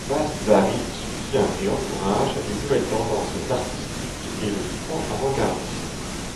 Vaszary soutient et encourage les nouvelles tendances artistiques et le courant Avant-gardiste.